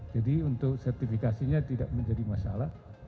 jadi untuk sertifikasinya tidak menjadi masalah